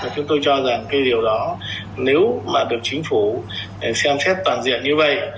chúng tôi cho rằng cái điều đó nếu mà được chính phủ xem xét toàn diện như vậy